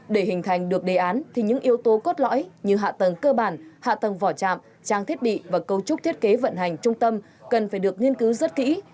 để hình thành được đề án thì những yếu tố cốt lõi như hạ tầng cơ bản hạ tầng vỏ chạm trang thiết bị và cấu trúc thiết kế vận hành trung tâm cần phải được nghiên cứu rất kỹ